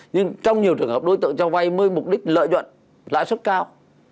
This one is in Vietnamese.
nhưng trong nhiều trường hợp đối tượng cho vay với mục đích lợi nhuận lãi suất cao